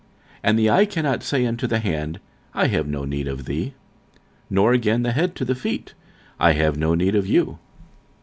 46:012:021 And the eye cannot say unto the hand, I have no need of thee: nor again the head to the feet, I have no need of you.